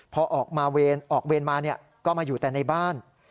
พอออกมาออกเวรมาก็มาอยู่แต่ในบ้าน